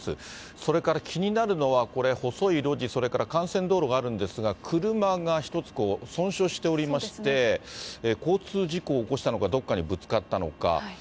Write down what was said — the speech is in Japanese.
それから、気になるのは、これ、細い路地、それから、幹線道路があるんですが、車が１つこう、損傷しておりまして、交通事故を起こしたのか、どこかにぶつかったのか。